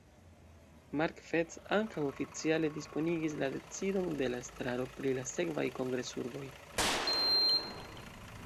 Mark Fettes ankaŭ oficiale diskonigis la decidon de la estraro pri la sekvaj kongresurboj.